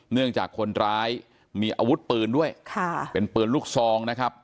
เนื่องจากคนร้ายมีอาวุธปืนด้วยค่ะเป็นปืนลูกซองนะครับ